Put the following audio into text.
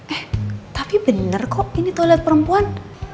eh tapi benar kok ini toilet perempuan